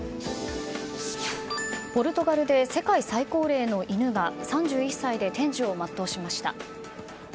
ポルトガルで世界最高齢の犬が３１歳で天寿を全うしました。